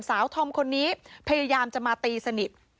ธอมคนนี้พยายามจะมาตีสนิท